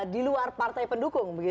di luar partai pendukung